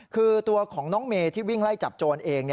คือตัวของน้องเมย์ที่วิ่งไล่จับโจรเอง